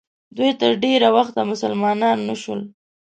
دوی تر ډېره وخته مسلمانان نه شول.